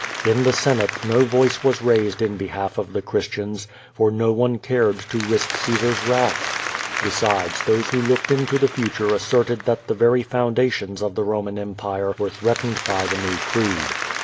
In the Senate no voice was raised in behalf of the Christians, for no one cared to risk Caesar's wrath. Besides, those who looked into the future asserted that the very foun dations of the Roman Empire were threatened by the new creed.